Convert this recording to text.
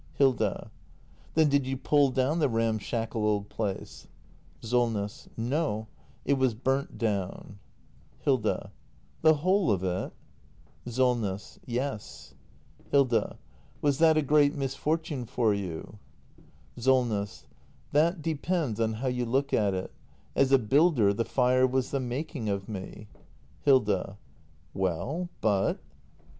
Hil^a. Then did you pull down 1 le ramshackle old place i Soi ss. No, it was burnt down. act ii] THE MASTER BUILDER 345 Hilda. The whole of it ? SOLNESS. Yes. Hilda. Was that a great misfortune for you ? Solness. That depends on how you look at it. As a builder, the fire was the making of me Hilda. Well, but